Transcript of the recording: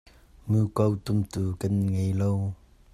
Muko tumtu kan ngei lo.